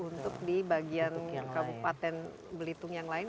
untuk di bagian kabupaten belitung yang lain